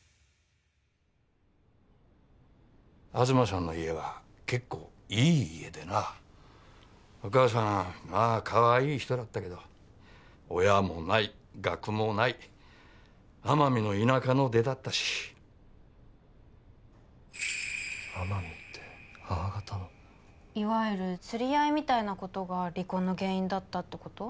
東さんの家は結構いい家でなお母さんまあかわいい人だったけど親もない学もない奄美の田舎の出だったし奄美って母方のいわゆる釣り合いみたいなことが離婚の原因だったってこと？